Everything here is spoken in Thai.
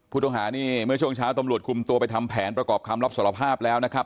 ผู้ต้องหานี่เมื่อช่วงเช้าตำรวจคุมตัวไปทำแผนประกอบคำรับสารภาพแล้วนะครับ